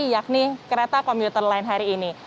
yakni kereta komuter dan lain lain hari ini